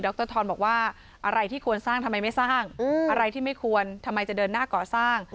รทรบอกว่าอะไรที่ควรสร้างทำไมไม่สร้างอะไรที่ไม่ควรทำไมจะเดินหน้าก่อสร้าง